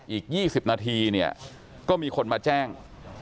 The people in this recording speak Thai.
อีก๒๐นาทีเนี่ยก็มีคนมาแจ้ง